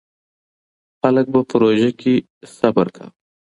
خلک به په روژه کې صبر کاوه.